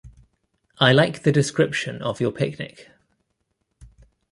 I like the description of your picnic.